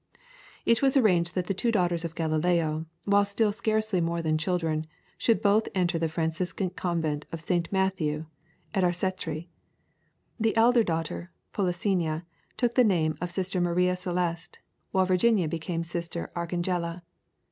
It was arranged that the two daughters of Galileo, while still scarcely more than children, should both enter the Franciscan convent of St. Matthew, at Arcetri. The elder daughter Polissena, took the name of Sister Maria Celeste, while Virginia became Sister Arcangela.